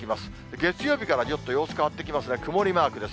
月曜日からちょっと様子変わってきますが、曇りマークです。